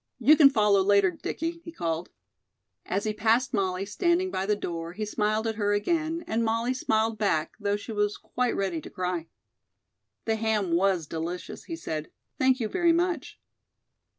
"You can follow later, Dickie," he called. As he passed Molly, standing by the door, he smiled at her again, and Molly smiled back, though she was quite ready to cry. "The ham was delicious," he said. "Thank you very much."